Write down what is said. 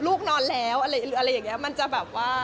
ลูกนอนแล้วอะไรอย่างนี้มันจะแบบว่า